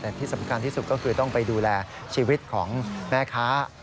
แต่ที่สำคัญที่สุดก็คือต้องไปดูแลชีวิตของแม่ค้า